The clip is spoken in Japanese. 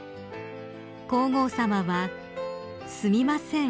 ［皇后さまは「すみません」